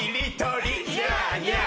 ニャーニャー。